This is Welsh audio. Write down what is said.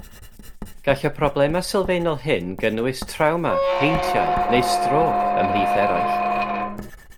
Gall y problemau sylfaenol hyn gynnwys trawma, heintiau, neu strôc ymhlith eraill.